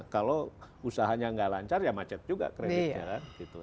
kalau usahanya nggak lancar ya macet juga kreditnya